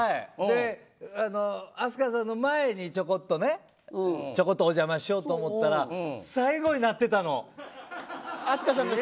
ＡＳＫＡさんの前にちょこっとお邪魔しようと思ったら最後になってたの。